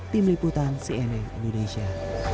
tim liputan cnn indonesia